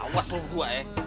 awas lu gua ya